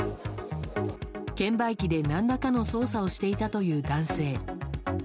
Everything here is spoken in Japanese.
券売機で何らかの操作をしていたという男性。